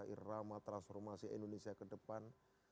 irama transformasi indonesia ke depan